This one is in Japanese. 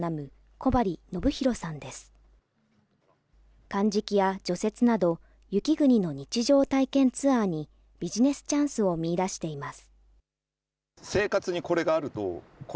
かんじきや除雪など、雪国の日常体験ツアーにビジネスチャンスを見いだしています。